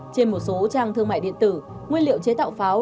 trên một số trang thương mại điện tử nguyên liệu chế tạo pháo